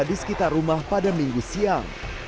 di sekitar rumah pada minggu siang